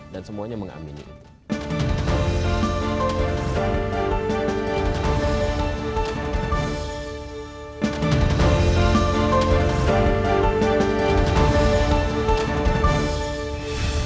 dan semuanya mengamini itu